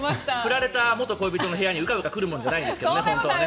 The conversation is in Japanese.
振られた元恋人の部屋にうかうか来るものじゃないですね。